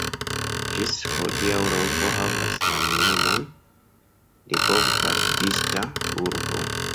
Ĝis hodiaŭ la urbo havas la renomon de "bov-gardista urbo".